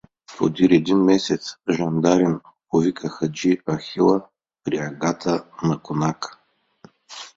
Подир един месец жандарин повика хаджи Ахила при агата на конака.